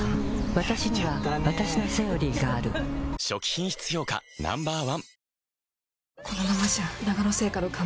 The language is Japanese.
わたしにはわたしの「セオリー」がある初期品質評価Ｎｏ．１